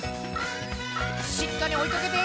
しっかりおいかけて！